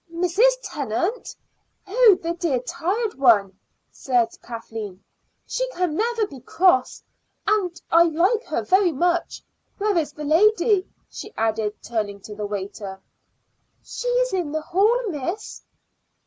"Mrs. Tennant? Oh, the dear tired one!" cried Kathleen. "She can never be cross, and I like her very much. Where is the lady?" she added, turning to the waiter. "She is in the hall, miss."